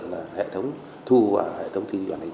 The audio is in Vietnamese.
là hệ thống thu và hệ thống quản lý hàng ngày